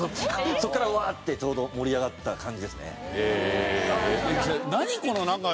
そこからワーッてちょうど盛り上がった感じですね。